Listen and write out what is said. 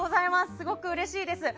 すごくうれしいです。